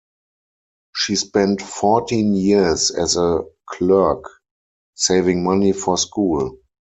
She spent fourteen years as a clerk, saving money for school.